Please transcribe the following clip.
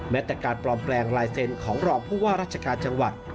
แม้แต่การปลอมแปลงลายเซ็นต์ของรองผู้ว่าราชการจังหวัด